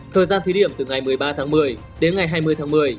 thời gian thí điểm từ ngày một mươi ba tháng một mươi đến ngày hai mươi tháng một mươi